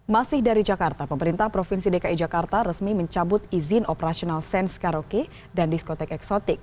masih dari jakarta pemerintah provinsi dki jakarta resmi mencabut izin operasional sains karaoke dan diskotek eksotik